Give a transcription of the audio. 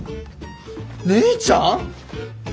姉ちゃん！？